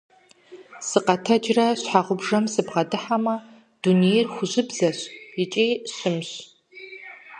Сыкъэтэджрэ щхьэгъубжэм сыбгъэдыхьэмэ, дунейр хужьыбзэщ икӀи щымщ.